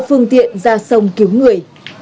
phương tiện ra sông cứu người